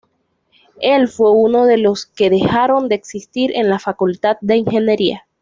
Él fue uno de los que dejaron de existir en la Facultad de Ingeniería.